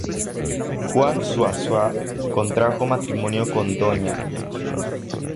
Juan Zuazua contrajo matrimonio con Dña.